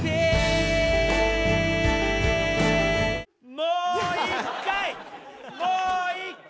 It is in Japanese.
もう１回！